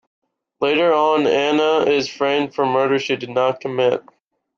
Later on, Anya is framed for murder she did not commit.